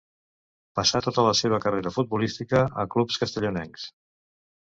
Passà tota la seva carrera futbolística a clubs castellonencs.